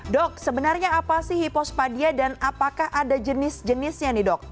dok sebenarnya apa sih hipospadia dan apakah ada jenis jenisnya nih dok